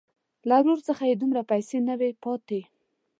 له ورور څخه یې دومره پیسې نه وې پاتې.